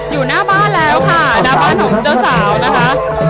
อยู่หน้าบ้านแล้วค่ะหน้าบ้านของเจ้าสาวนะคะ